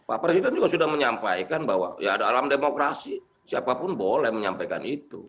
pak presiden juga sudah menyampaikan bahwa ya dalam demokrasi siapapun boleh menyampaikan itu